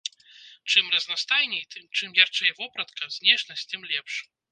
Чым разнастайней, чым ярчэй вопратка, знешнасць, тым лепш.